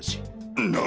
何？